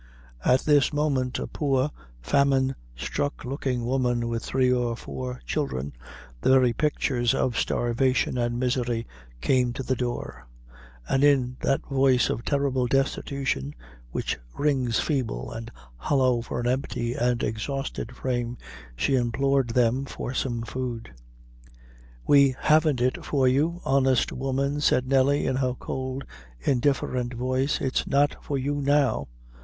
At this moment, a poor, famine struck looking woman, with three or four children, the very pictures of starvation and misery, came to the door, and, in that voice of terrible destitution, which rings feeble and hollow from an empty and exhausted frame, she implored them for some food. "We haven't it for you, honest woman," said Nelly, in her cold, indifferent voice "it's not for you now."